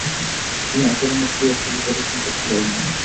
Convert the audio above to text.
তিনি আশানুরূপ ক্রীড়াশৈলী প্রদর্শন করতে পারেননি।